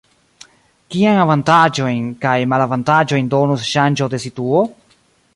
Kiajn avantaĝojn kaj malavantaĝojn donus ŝanĝo de situo?